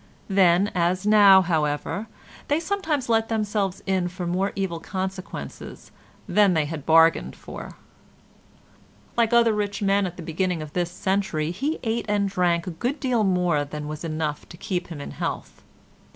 Then as now, however, they sometimes let themselves in for more evil consequences than they had bargained for. Like other rich men at the beginning of this century he ate and drank a good deal more than was enough to keep him in health.